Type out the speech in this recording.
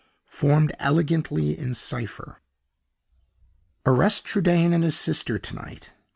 formed elegantly in cipher: "Arrest Trudaine and his sister to night.